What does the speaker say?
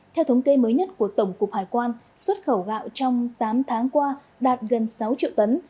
theo thống kê mới nhất của tổng cục hải quan xuất khẩu gạo trong tám tháng qua đạt gần sáu triệu tấn